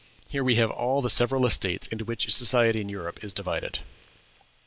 Here we have all the several estates into which society in Europe is divided.